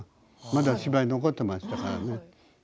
まだ芝居が残っていましたから。